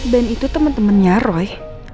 band itu teman temannya roy